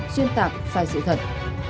xuyên tạc sai sự thật